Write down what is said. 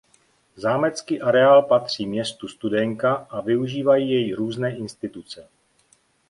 Zámecký areál patří městu Studénka a využívají jej různé instituce.